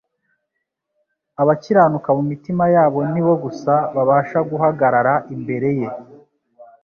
Abakiranuka mu mitima yabo nibo gusa babasha guhagarara imbere Ye